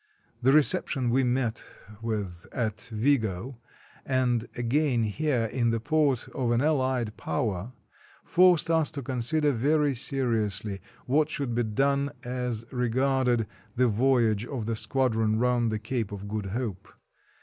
The reception we met with at Vigo, and again here, in the port of an allied power, forced us to consider very 227 RUSSIA seriously what should be done as regarded the voyage of the squadron round the Cape of Good Hope.